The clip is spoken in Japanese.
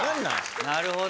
なるほど。